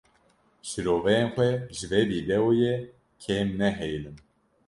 Şiroveyên xwe ji vê vîdeoyê kêm nehêlin.